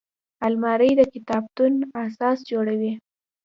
الماري د کتابتون اساس جوړوي